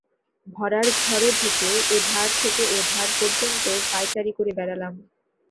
ভঁড়ারঘরে ঢুকে এ-ধার থেকে ও ধার পর্যন্ত পায়চারি করে বেড়ালাম।